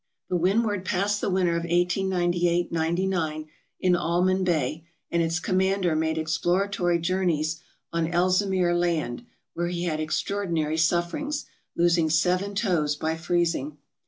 The "Windward" passed the winter of 1898 99 in Allman Bay, and its commander made exploratory journeys on Elles mere Land, where he had extraordinary sufferings, losing seven toes by freezing.